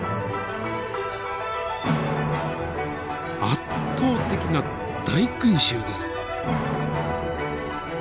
圧倒的な大群集です。